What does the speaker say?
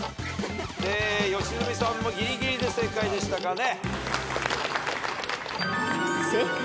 良純さんもギリギリで正解でしたかね。